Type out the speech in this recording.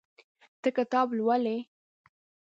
ته کتاب لولې.